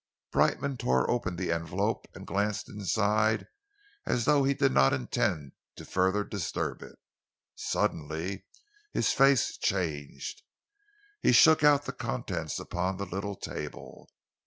Brightman tore open the envelope and glanced inside as though he did not intend further to disturb it. Suddenly his face changed. He shook out the contents upon the little table.